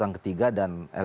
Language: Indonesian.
mengundang tiga lembaga survei